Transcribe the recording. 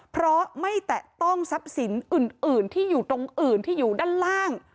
เพราะไม่แตะต้องทรัพย์สินอื่นที่อยู่ตรงอื่นที่อยู่ด้านล่าง